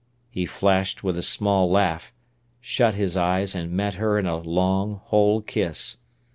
He flashed with a small laugh, shut his eyes, and met her in a long, whole kiss.